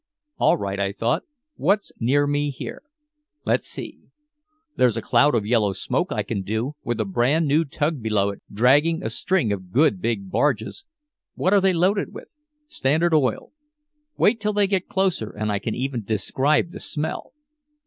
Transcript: "All right," I thought, "what's near me here? Let's see. There's a cloud of yellow smoke I can do, with a brand new tug below it dragging a string of good big barges. What are they loaded with? Standard Oil. Wait till they get closer and I can even describe the smell!